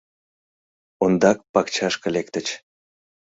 Ондак пакчашке лектыч.